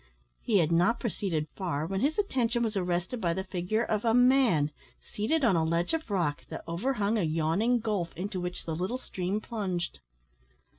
He had not proceeded far, when his attention was arrested by the figure of a man seated on a ledge of rock that over hung a yawning gulf into which the little stream plunged.